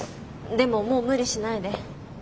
でももう無理しないで。